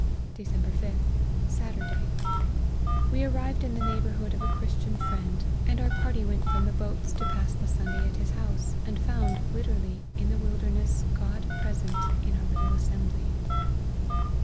" Dec. 5th. Saturday. We arrived in the neigh bourhood of a Christian friend, and our party went 208 APPENDIX. from the boats to pass the Sunday at his house and found, literally, in the wilderness God present in our little assembly.